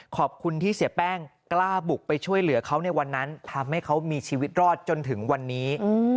ขอบคุณที่เสียแป้งกล้าบุกไปช่วยเหลือเขาในวันนั้นทำให้เขามีชีวิตรอดจนถึงวันนี้